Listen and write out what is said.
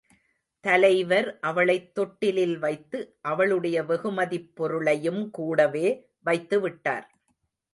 தலைவர், அவளைத் தொட்டிலில் வைத்து, அவளுடைய வெகுமதிப் பொருளையும்கூடவே வைத்துவிட்டார்.